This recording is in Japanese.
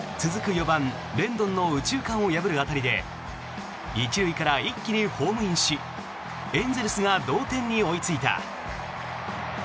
４番、レンドンの右中間を破る当たりで１塁から一気にホームインしエンゼルスが同点に追いついた。